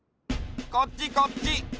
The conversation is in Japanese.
こっちこっち！